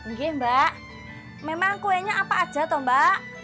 oke mbak memang kuenya apa aja tuh mbak